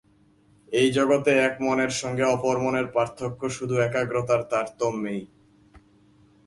এই জগতে এক মনের সঙ্গে অপর মনের পার্থক্য শুধু একাগ্রতার তারতম্যেই।